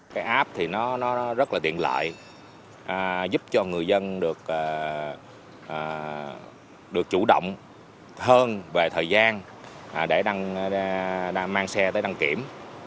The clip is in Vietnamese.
cái app thì nó rất là tiện lợi giúp cho người dân được chủ động hơn về thời gian để mang xe tới đăng kiểm